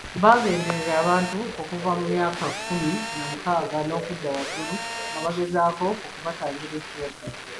Bagenderera abantu okuva ku myaka kkumi na mukaaga n’okudda waggulu nga bagezaako okubatangira ekirwadde.